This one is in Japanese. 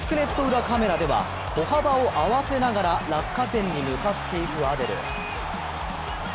裏カメラでは歩幅を合わせながら落下点に向かっていくアデル。